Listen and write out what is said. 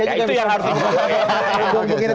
ya itu yang harus dikatakan